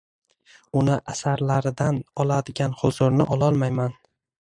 Uni asarlaridan oladigan huzurni ololmayman.